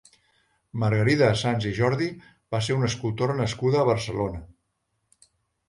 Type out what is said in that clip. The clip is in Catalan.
Margarida Sans i Jordi va ser una escultora nascuda a Barcelona.